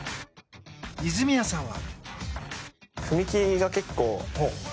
泉谷さんは。